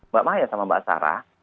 mbak maya sama mbak sarah